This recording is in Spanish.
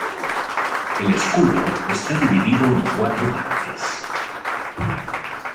El escudo está dividido en cuatro partes.